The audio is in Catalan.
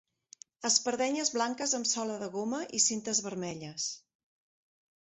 Espardenyes blanques amb sola de goma i cintes vermelles.